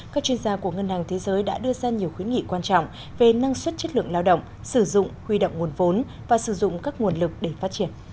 các chuyên gia của ngân hàng thế giới đã đưa ra nhiều khuyến nghị quan trọng về năng suất chất lượng lao động sử dụng huy động nguồn vốn và sử dụng các nguồn lực để phát triển